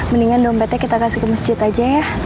mendingan dompetnya kita kasih ke masjid aja ya